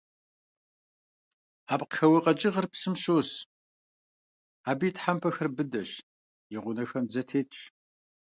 Апкъхэуэ къэкӀыгъэр псым щос, абы и тхьэмпэхэр быдэщ, и гъунэхэм дзэ тетщ.